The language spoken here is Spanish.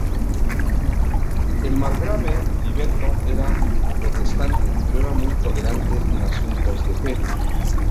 El margrave Filiberto era protestante, pero era muy tolerante en asuntos de fe.